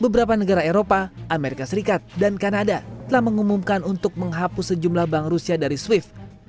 beberapa negara eropa amerika serikat dan kanada telah mengumumkan untuk menghapus sejumlah bank rusia dari swift